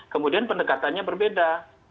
kemudian pendekatannya berbeda